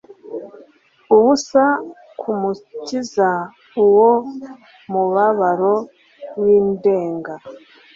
ubusa kwUmukiza Uwo mubabaro windenga